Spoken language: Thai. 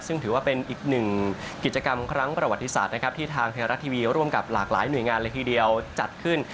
ซึ่งถือว่าเป็นอีกหนึ่งกิจกรรมครั้งประวัติศาสตร์นะครับที่ทางไทยรัฐทีวีร่วมกับหลากหลายหน่วยงานเลยทีเดียวจัดขึ้น